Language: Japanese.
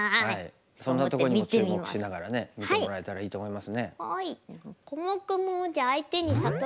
そんなことにも注目しながらね見てもらえたらいいと思いますね。